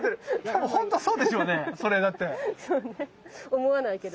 思わないけどね